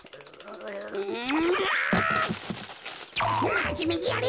まじめにやれ！